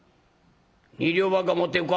２両ばっか持ってくか？」。